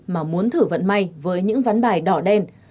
mà muốn thử vận may với những ván bài đỏ đen